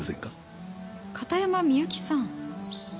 片山みゆきさん。